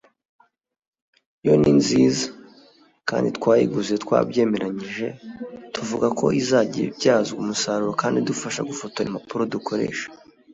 yo ni nziza … kandi twayiguze twabyemeranije tuvuga ko izajya ibyazwa umusaruro kandi idufasha gufotora impapuro dukoresha”